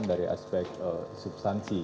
dari aspek substansi